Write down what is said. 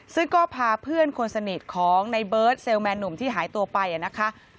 ซึ่งก็พาเพื่อนคนสนิทของในเบิร์ตเซลล์แมนหนุ่มที่หายตัวไปนะคะ